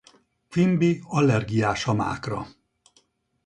Quimby allergiás a mákra.